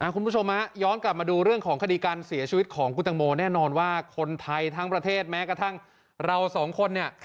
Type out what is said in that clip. คุณผู้ชมย้อนกลับมาดูเรื่องของคดีการเสียชีวิตของคุณตังโมแน่นอนว่าคนไทยทั้งประเทศแม้กระทั่งเราสองคนเนี่ย